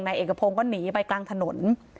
นายเอกพงก็หนีไปกลางถนน